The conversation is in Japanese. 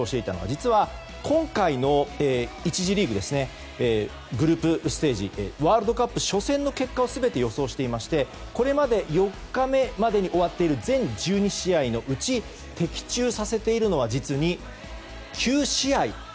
実は今回の１次リーググループステージワールドカップ初戦の結果を全て予想していましてこれまで４日目までに終わっている全１２試合のうち的中させているのは実に９試合。